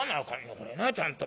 これなちゃんと。